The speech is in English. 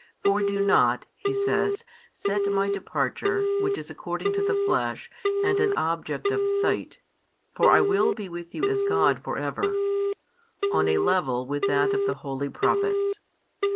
For do not, He says, set My departure, which is according to the flesh and an object of sight (for I will be with you as God for ever), on a level with that of the holy prophets.